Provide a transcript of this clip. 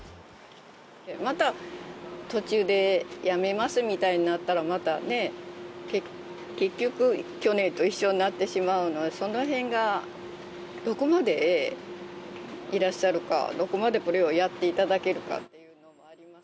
また途中でやめますみたいになったら、またね、結局、去年と一緒になってしまうので、そのへんが、どこまでいらっしゃるか、どこまでこれをやっていただけるか。